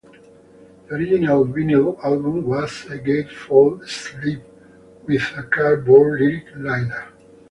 The original vinyl album was a gatefold sleeve, with a cardboard lyric liner.